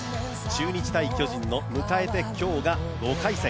中日×巨人の、迎えて今日が５回戦。